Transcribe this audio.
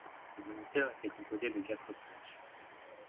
Le Moniteur était composé de quatre pages.